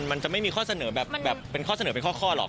มันจะไม่มีข้อเสนอแบบเป็นข้อเสนอเป็นข้อหรอก